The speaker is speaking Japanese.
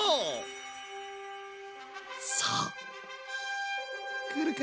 さあくるか？